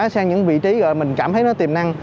sang những vị trí rồi mình cảm thấy nó tiềm năng